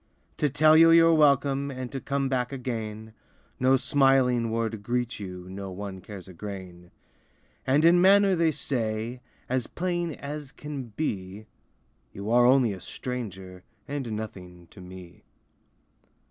To tell you you're welcome. And to come back again, No smiling word greets you, No one cares a grain. And in manner they say. As plain as can be, "You are only a stranger, And nothing to me."